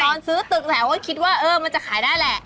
ตอนซื้อตึกแถวก็คิดว่าเออมันจะขายได้แหละ